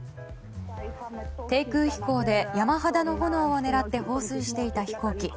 低空飛行で山肌の炎を狙って放水していた飛行機。